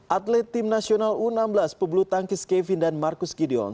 atlet tim nasional u enam belas pebulu tangkis kevin dan marcus gideon